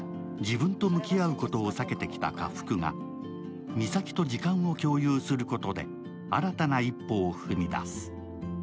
自分と向き合うことを避けてきた家福がみさきと時間を共有することで新たな一歩を踏み出す。